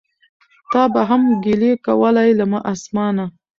تا به هم ګیلې کولای له اسمانه